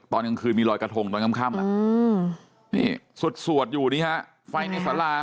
ตอนกลางคืนมีรอยกระทงตอนค่ำนี่สวดอยู่นี่ฮะไฟในสารา